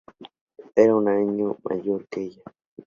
Era un año mayor que ella.